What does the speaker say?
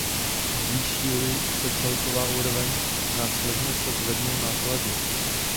Zvýší-li se celková úroveň, následně se zvednou náklady.